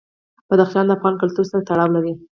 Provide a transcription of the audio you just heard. بدخشان د افغان کلتور سره تړاو لري.